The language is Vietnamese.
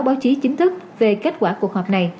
báo chí chính thức về kết quả cuộc họp này